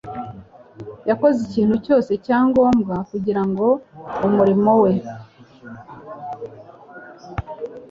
Yakoze ikintu cyose cya ngombwa kugira ngo umurimo we